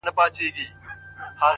دایمي ژوندون!.